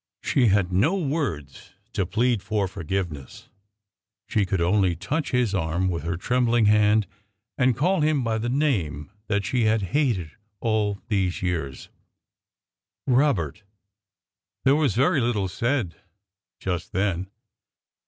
She had no words to plead for forgiveness; she could only touch his arm with her trembling hand, and call him by the name that she had hated all these years, "Robert!" There was very little said just then.